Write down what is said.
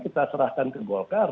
kita serahkan ke golkar